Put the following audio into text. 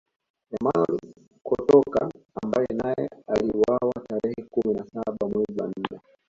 Emmanuel Kotoka ambaye naye aliuawa tarehe kumi na saba mwezi wa nne